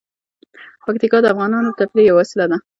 پکتیا د افغانانو د تفریح یوه وسیله ده.